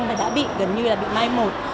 mà đã bị gần như là bị mai một